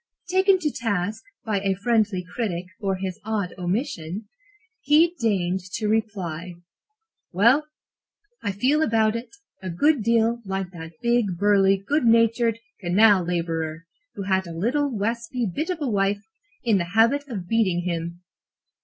Taken to task by a friendly critic for his odd omission, he deigned to reply: "Well, I feel about it a good deal like that big, burly, good natured canal laborer who had a little waspy bit of a wife, in the habit of beating him.